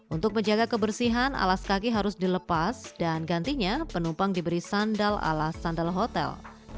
untuk menjaga kebersihan alas kaki harus dilepas dan gantinya penumpang diberi sandal ala sandal hotel